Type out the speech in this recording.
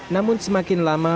namun semakin lama